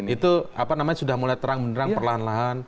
itu apa namanya sudah mulai terang benerang perlahan lahan